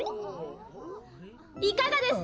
いかがですか？